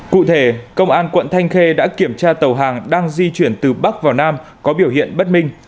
cụ thể công an quận thanh khê đã kiểm tra tàu hàng đang di chuyển từ bắc vào nam có biểu hiện bất minh